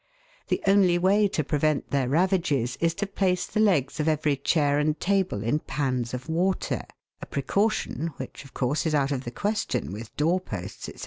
The only EA.TEN our OF HOUSE AND HOME. 199 way to prevent their ravages is to place the legs of every chair and table in pans of water, a precaution, which, of course, is out of the question with door posts, &c.